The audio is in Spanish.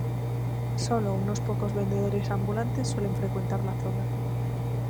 Sólo unos pocos vendedores ambulantes suelen frecuentar la zona.